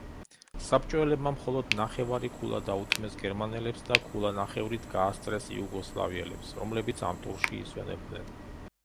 საბჭოელებმა მხოლოდ ნახევარი ქულა დაუთმეს გერმანელებს და ქულანახევრით გაასწრეს იუგოსლავიელებს, რომლებიც ამ ტურში ისვენებდნენ.